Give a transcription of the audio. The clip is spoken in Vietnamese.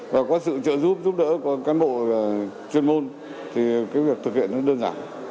và có sự trợ giúp đỡ của cán bộ chuyên môn thì cái việc thực hiện nó đơn giản